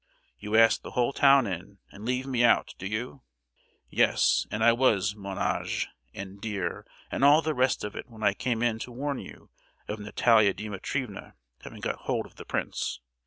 You ask the whole town in, and leave me out, do you? Yes, and I was mon ange, and 'dear,' and all the rest of it when I came in to warn you of Natalia Dimitrievna having got hold of the prince!